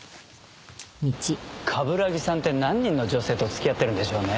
冠城さんって何人の女性と付き合ってるんでしょうね？